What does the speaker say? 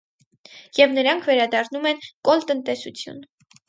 Եվ նրանք վերադառնում են կոլտնտեսություն։